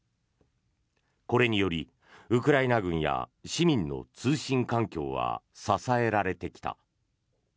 これによりウクライナ軍や市民の通信環境は支えられてきた。